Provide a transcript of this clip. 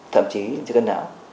thậm chí cho cân não